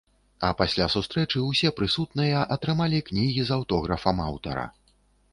А пасля сустрэчы ўсе прысутныя атрымалі кнігі з аўтографам аўтара.